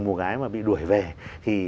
một gái mà bị đuổi về thì